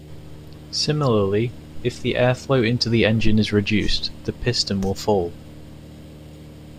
Similarly if the airflow into the engine is reduced, the piston will fall.